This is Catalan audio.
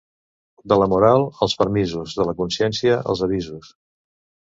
De la moral, els permisos; de la consciència, els avisos.